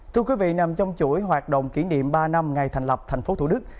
thưa quý vị nằm trong chuỗi hoạt động kỷ niệm ba năm ngày thành lập tp thủ đức